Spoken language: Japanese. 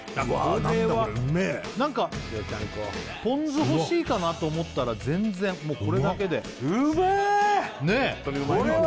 これうめえ何かポン酢欲しいかなと思ったら全然これだけでねえ何？